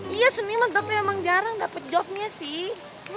iya seniman tapi emang jarang dapat jobnya sih